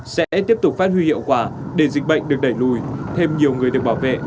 sẽ tiếp tục phát huy hiệu quả để dịch bệnh được đẩy lùi thêm nhiều người được bảo vệ